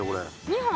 ２本。